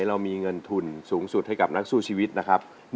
เรามีเงินทุนสูงสุดให้กับนักสู้ชีวิตนะครับ